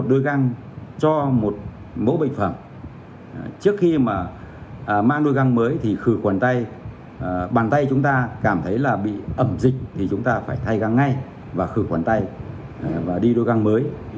trước khi mà mang đôi găng mới thì khử khuẩn tay bàn tay chúng ta cảm thấy là bị ẩm dịch thì chúng ta phải thay găng ngay và khử khuẩn tay và đi đôi găng mới